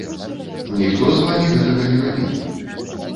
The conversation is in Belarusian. Ніхто з вамі гэтага не рабіў.